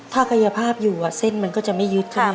ถ้ากายภาพอยู่เส้นมันก็จะไม่ยึดค่ะ